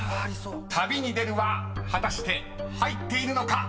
［旅に出るは果たして入っているのか］